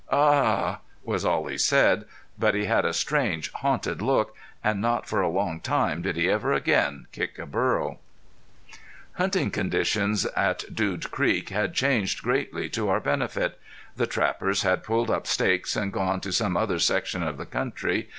"Ahuh!" was all he said. But he had a strange hunted look. And not for a long time did he ever again kick a burro! Hunting conditions at Dude Creek had changed greatly to our benefit. The trappers had pulled up stakes and gone to some other section of the country.